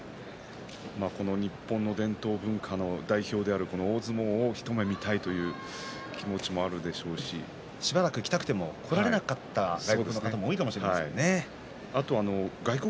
日本の伝統文化の代表である大相撲をひと目見たいという気持ちもしばらく来たくても来られなかった外国の方も多かったかもしれませんね。